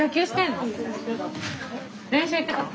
練習行ってたの？